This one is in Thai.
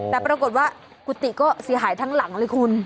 แต่ปรากฏว่ากุฏิก็เสียหายทั้งหลังเลยคุณ